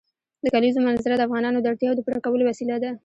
د کلیزو منظره د افغانانو د اړتیاوو د پوره کولو وسیله ده.